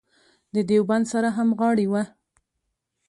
د دیوبند سره همغاړې وه.